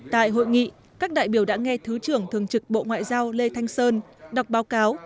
tại hội nghị các đại biểu đã nghe thứ trưởng thường trực bộ ngoại giao lê thanh sơn đọc báo cáo